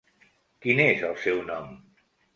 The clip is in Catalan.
Quin és el seu nom?